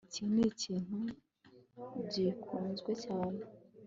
Iki nikintu gikunzwe cyane